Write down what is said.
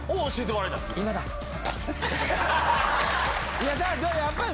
いやだからやっぱり。